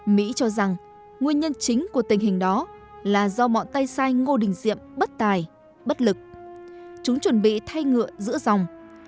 mỹ cho rằng nguyên nhân chính của tình hình đó là do mọi tay sai ngô đình diệm bất tài bất lực chúng chuẩn bị thay ngựa giữa dòng